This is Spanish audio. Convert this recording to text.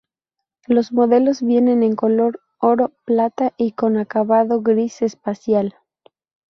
Los modelos vienen en color oro, plata y con acabado "gris espacial".